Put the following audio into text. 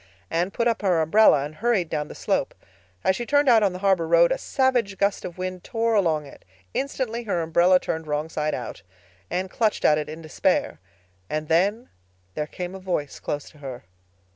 Anne put up her umbrella and hurried down the slope. As she turned out on the harbor road a savage gust of wind tore along it. Instantly her umbrella turned wrong side out. Anne clutched at it in despair. And then—there came a voice close to her.